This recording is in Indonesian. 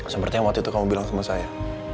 seperti yang waktu itu kamu bilang sama saya